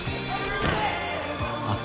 あった。